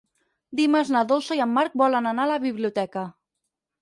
Dimarts na Dolça i en Marc volen anar a la biblioteca.